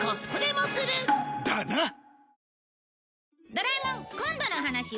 『ドラえもん』今度のお話は